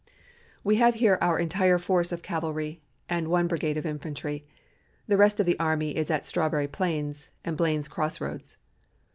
"We have here our entire force of cavalry, and one brigade of infantry. The rest of the army is at Strawberry Plains and Blain's Cross Roads.